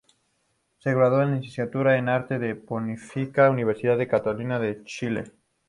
Se graduó de licenciatura en arte en la Pontificia Universidad Católica de Chile.